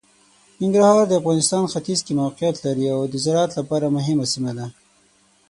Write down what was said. ننګرهار د افغانستان ختیځ کې موقعیت لري او د زراعت لپاره مهمه سیمه ده.